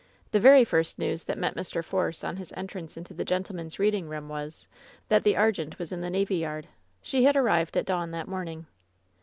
The very first news that met Mr. Force on his ea* WHEN SHADOWS DIE 75 trance into the gentlemen's reading room was, that the Argente was in the navy yard. She had arrived at dawn that morning.